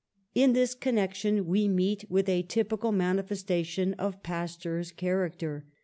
In this connection we meet with a typical mani festation of Pasteur's character.